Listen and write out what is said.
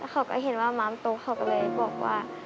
เขาก็เห็นว่าม้ามโตเขาก็เลยบอกว่า